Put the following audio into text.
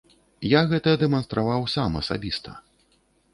Я гэта дэманстраваў сам асабіста.